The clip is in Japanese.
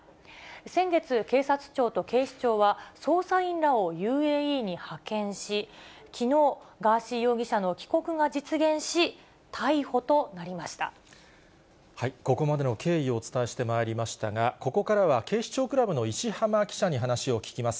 先月、警察庁と警視庁は捜査員らをＵＡＥに派遣し、きのう、ガーシー容疑者の帰国が実現し、ここまでの経緯をお伝えしてまいりましたが、ここからは警視庁クラブの石浜記者に話を聞きます。